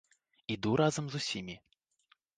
Іду разам з усімі.